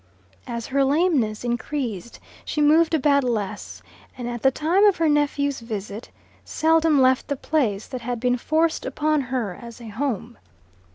As her lameness increased she moved about less, and at the time of her nephew's visit seldom left the place that had been forced upon her as a home.